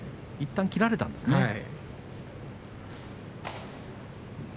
いったん切られたんですかね。